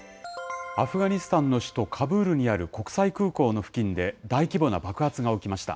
アフガニスタンの首都カブールにある国際空港の付近で大規模な爆発が起きました。